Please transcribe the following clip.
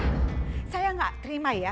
sylvia saya enggak terima ya